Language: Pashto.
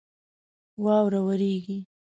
واوره وریږي